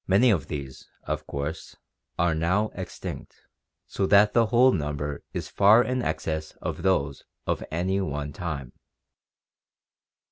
Many of these, of course, are now extinct, so that the whole number is far in excess of those of any one time.